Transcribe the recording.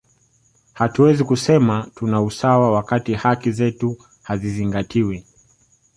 hatuwezi kusema tuna usawa wakati haki zetu hazizingztiwi